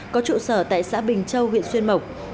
có trụ sở tại xã bình châu huyện xuyên mộc